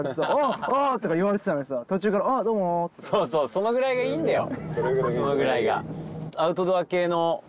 そのぐらいがいいんだよ。